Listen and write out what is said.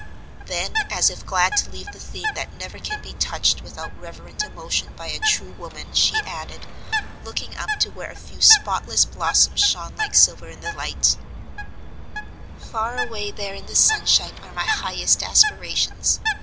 Then, as if glad to leave the theme that never can be touched without reverent emotion by a true woman, she added, looking up to where a few spotless blossoms shone like silver in the light: "Far away there in the sunshine are my highest aspirations.